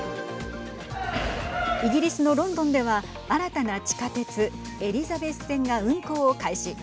イギリスのロンドンでは新たな地下鉄エリザベス線が運行を開始。